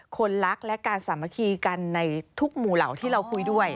คนรักและการสามัคคีกันในทุกหมู่เหล่าที่เราคุยด้วย